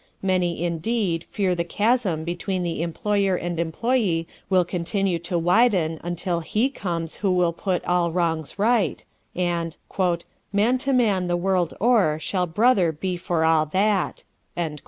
Many, indeed, fear the chasm between the employer and employee will continue to widen until He comes who will put all wrongs right, and "Man to man the world o'er, shall brother be for a' that."